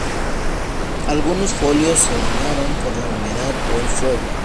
Algunos folios se dañaron por la humedad o el fuego.